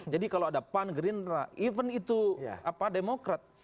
jadi kalau ada pan green dry even itu demokrat